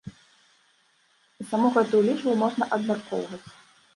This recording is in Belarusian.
І саму гэтую лічбу можна абмяркоўваць.